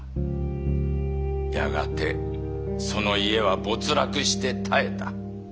やがてその家は没落して絶えた。